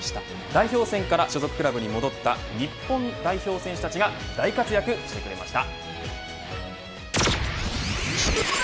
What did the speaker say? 代表戦から所属クラブに戻った日本代表選手たちが大活躍してくれました。